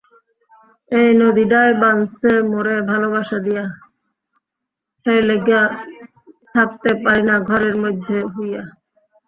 এই নদীডায় বানছে মোরে ভালোবাসা দিয়া, হেইরলইগ্গা থাকতে পারিনা ঘরের মইদ্দে হুইয়া।